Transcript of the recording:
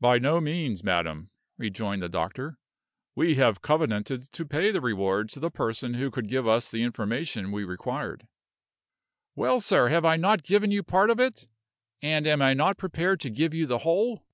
"By no means, madam," rejoined the doctor. "We have covenanted to pay the reward to the person who could give us the information we required." "Well, sir! have I not given you part of it? And am I not prepared to give you the whole?"